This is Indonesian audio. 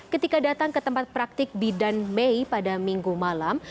ketika datang ke tempat praktik bidan mei pada minggu malam